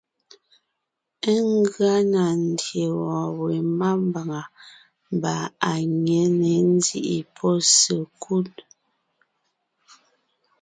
Ngʉa na ndyè wɔ̀ɔn we mámbàŋa mbà à nyě ne ńzíʼi pɔ́ sekúd.